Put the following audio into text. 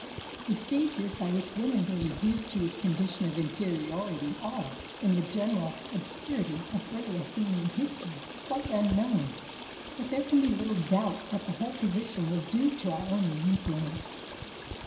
The stages by which women were reduced to this condition of inferiority are, in the general obscurity of early Athenian history, quite unknown ; but there can be little doubt that the whole position was due to Ionian influence.